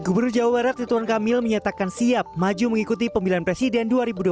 gubernur jawa barat rituan kamil menyatakan siap maju mengikuti pemilihan presiden dua ribu dua puluh